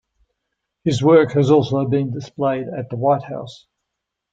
His work has also been displayed at the White House.